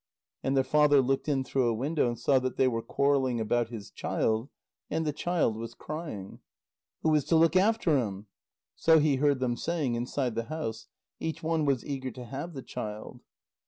And the father looked in through a window, and saw that they were quarrelling about his child, and the child was crying. "Who is to look after him?" So he heard them saying inside the house; each one was eager to have the child.